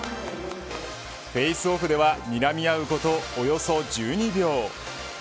フェースオフではにらみ合うことおよそ１２秒。